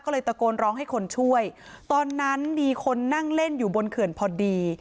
ก็เลยตะโกนร้องให้คนช่วยตอนนั้นมีคนนั่งเล่นอยู่บนเขื่อนพอดี